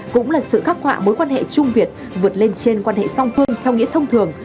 cũng là sự khắc họa mối quan hệ trung việt vượt lên trên quan hệ song phương theo nghĩa thông thường